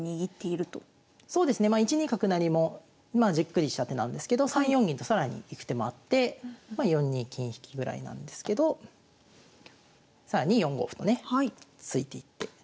そうですねまあ１二角成もまあじっくりした手なんですけど３四銀と更に行く手もあってま４二金引ぐらいなんですけど更に４五歩とね突いていって。